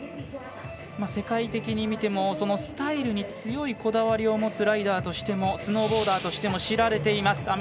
世界的に見てもスタイルに強いこだわりを持つライダースノーボーダーとしても知られています